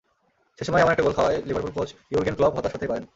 শেষ সময়ে এমন একটা গোল খাওয়ায় লিভারপুল কোচ ইয়ুর্গেন ক্লপ হতাশ হতেই পারেন।